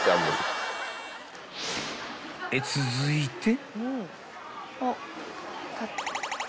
［続いて］